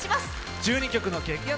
１２曲の激アツ